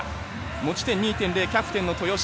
持ち点２．０のキャプテンの豊島。